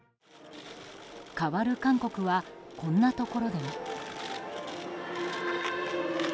変わる韓国はこんなところでも。